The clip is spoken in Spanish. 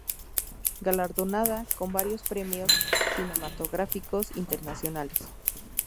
Galardonada con varios premios cinematográficos internacionales.